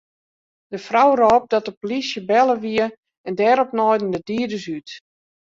De frou rôp dat de polysje belle wie en dêrop naaiden de dieders út.